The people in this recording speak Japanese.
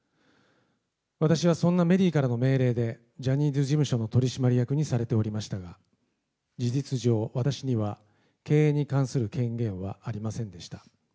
私はそんなメリーからの命令で、ジャニーズ事務所の取締役にされておりましたが、事実上、私には経営に関する権限はありませんでした。